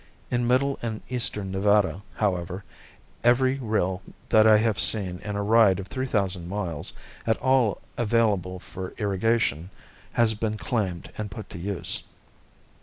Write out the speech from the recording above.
In middle and eastern Nevada, however, every rill that I have seen in a ride of three thousand miles, at all available for irrigation, has been claimed and put to use.